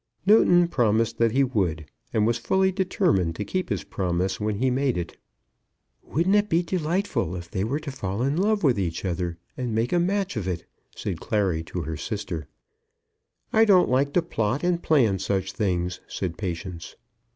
Newton promised that he would, and was fully determined to keep his promise when he made it. "Wouldn't it be delightful if they were to fall in love with each other and make a match of it?" said Clary to her sister. "I don't like to plot and plan such things," said Patience.